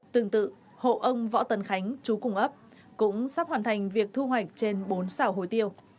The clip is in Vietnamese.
tương tự hộ ông võ tân khánh chú cùng ấp cũng sắp hoàn thành việc thu hoạch trên bốn xảo hồi tiêu